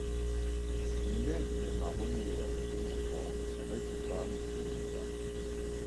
Il l’aide même à renouer avec ses enfants et son ex-femme Monica.